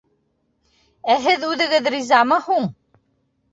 Ә һеҙ үҙегеҙ ризамы һуң?